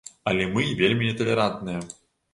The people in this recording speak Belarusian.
Але мы вельмі неталерантныя.